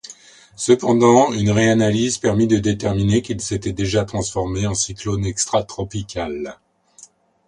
Cependant, une réanalyse permit de déterminer qu'il s'était déjà transformé en cyclone extratropical.